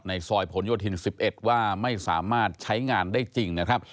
ซอยผลโยธิน๑๑ว่าไม่สามารถใช้งานได้จริงนะครับ